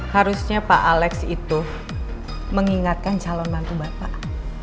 harusnya pak alex itu mengingatkan calon mantu bapak